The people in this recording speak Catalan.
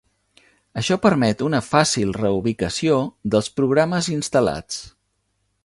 Això permet una fàcil reubicació dels programes instal·lats.